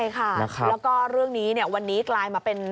ใช่ค่ะแล้วก็เรื่องนี้วันนี้กลายมาเป็น